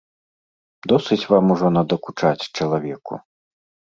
Досыць вам ужо надакучаць чалавеку.